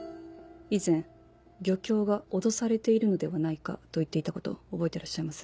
以前「漁協は脅されているのではないか」と言っていたこと覚えてらっしゃいます？